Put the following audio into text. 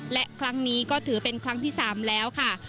และครั้งนี้ก็ถือเป็นครั้งที่๓แล้วค่ะ